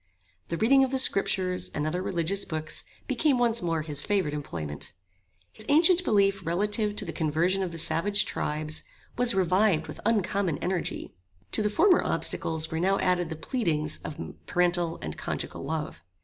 The reading of the scriptures, and other religious books, became once more his favorite employment. His ancient belief relative to the conversion of the savage tribes, was revived with uncommon energy. To the former obstacles were now added the pleadings of parental and conjugal love.